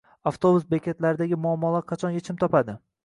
Avtobus bekatlaridagi muammolar qachon yechim topadi?ng